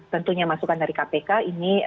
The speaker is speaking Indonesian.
tentunya masukan dari kpk ini